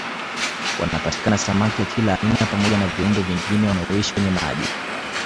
Wanapatikana samaki wa kila aina pamoja wa viumbe vingine wanaoishi kwenye maji